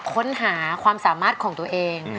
ค้นหาความสามารถของตัวเอง